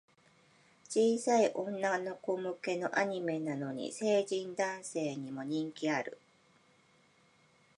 小さい女の子向けのアニメなのに、成人男性にも人気ある